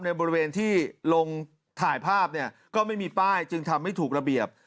บริเวณที่ลงถ่ายภาพเนี่ยก็ไม่มีป้ายจึงทำให้ถูกระเบียบ